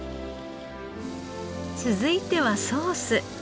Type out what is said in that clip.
続いてはソース。